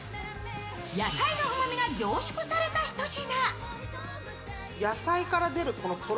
野菜のうまみが凝縮されたひと品。